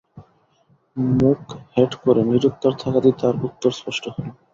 মুখ হেঁট করে নিরুত্তর থাকাতেই তার উত্তর স্পষ্ট হল।